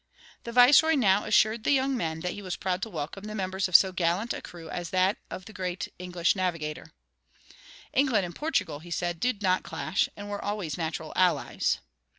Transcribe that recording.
The viceroy now assured the young men that he was proud to welcome the members of so gallant a crew as that of the great English navigator. "England and Portugal," he said, "did not clash, and were always natural allies."